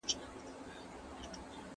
تر نگین لاندي پراته درته لوی غرونه